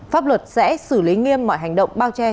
pháp luật sẽ xử lý nghiêm mọi hành động bao che